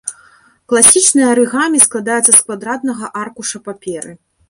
Класічнае арыгамі складаецца з квадратнага аркуша паперы.